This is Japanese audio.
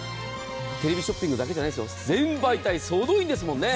テレビショッピングだけじゃないんですよ、全媒体総動員です。